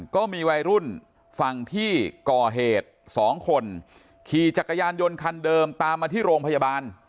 ก็มีวัยรุ่นฝั่งที่ก่อเหตุสองคนขี่จักรยานยนต์คันเดิมตามมาที่โรงพยาบาล